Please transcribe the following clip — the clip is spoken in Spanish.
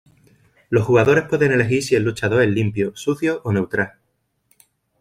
Los jugadores pueden elegir si el luchador es limpio, sucio o neutral.